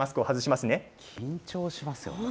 緊張しますよね。